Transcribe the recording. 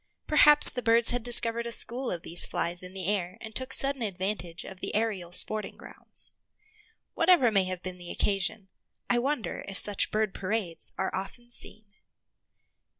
Perhaps the birds had discovered a school of these flies in the air and took sudden advantage of the aerial sporting grounds. Whatever may have been the occasion, I wonder if such bird parades are often seen.